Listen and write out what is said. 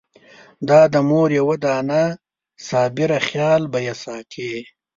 دا د مور یوه دانه صابره خېال به يې ساتي!